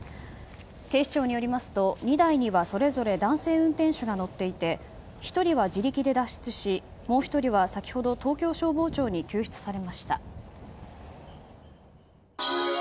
警視庁によりますと２台にはそれぞれ男性運転手が乗っていて１人は自力で脱出しもう１人は先ほど東京消防庁に救出されました。